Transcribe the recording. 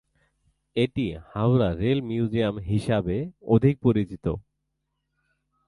এটি Howrah rail museum হিসাবে অধিক পরিচিত।